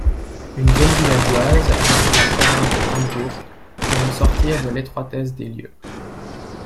Une jeune villageoise habitant la province de Brandebourg veut sortir de l'étroitesse des lieux.